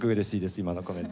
今のコメント。